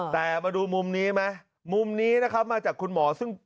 แต่มาดูมุมนี้ไหมมุมนี้นะครับมาจากคุณหมอซึ่ง